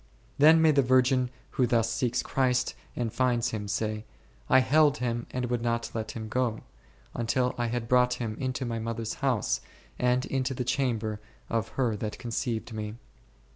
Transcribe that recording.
Then may the virgin who thus seeks Christ and finds Him say, / held Him and would not let Him go, until I had brought Him into my mother s house and into the chamber of her that conceived me 1